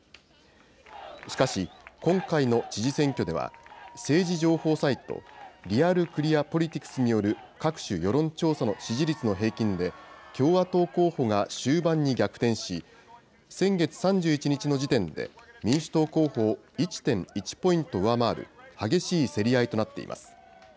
しかし、今回の知事選挙では、政治情報サイト、リアル・クリア・ポリティクスによる各種世論調査の支持率の平均で、共和党候補が終盤に逆転し、先月３１日の時点で、民主党候補を１．１ポイント上回る激しい競り合いとなっています。